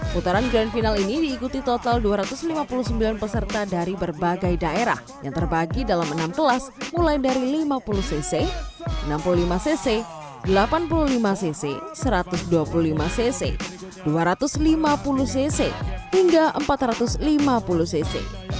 putaran grand final ini diikuti total dua ratus lima puluh sembilan peserta dari berbagai daerah yang terbagi dalam enam kelas mulai dari lima puluh cc enam puluh lima cc delapan puluh lima cc satu ratus dua puluh lima cc dua ratus lima puluh cc hingga empat ratus lima puluh cc